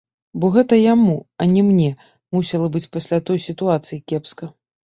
Бо гэта яму, а не мне, мусіла быць пасля той сітуацыі кепска.